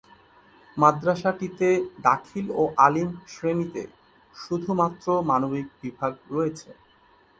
মাদ্রাসাটিতে দাখিল ও আলিম শ্রেণিতে শুধুমাত্র মানবিক বিভাগ রয়েছে।